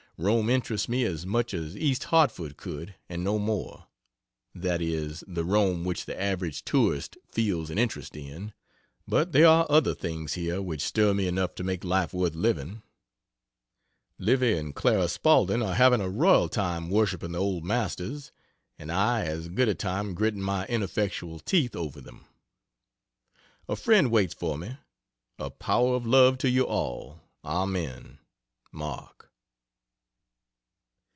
Rome interests me as much as East Hartford could, and no more. That is, the Rome which the average tourist feels an interest in; but there are other things here which stir me enough to make life worth living. Livy and Clara Spaulding are having a royal time worshiping the old Masters, and I as good a time gritting my ineffectual teeth over them. A friend waits for me. A power of love to you all. Amen. MARK.